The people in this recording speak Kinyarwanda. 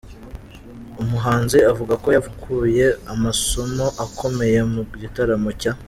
Umuhanzi avuga ko yakuye amasomo akomeye mu gitaramo cya .